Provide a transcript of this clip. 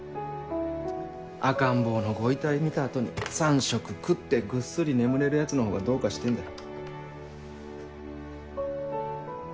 赤ん坊のご遺体見た後に三食食ってぐっすり眠れるヤツのほうがどうかしてんだよ。